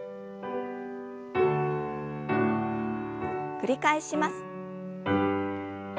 繰り返します。